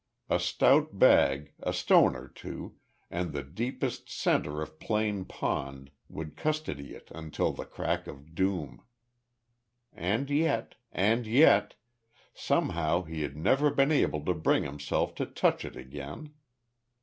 A stout bag, a stone or two, and the deepest centre of Plane Pond would custody it until the crack of doom. And yet and yet somehow he had never been able to bring himself to touch it again.